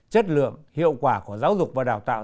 chất lượng hiệu quả của giáo dục và đào tạo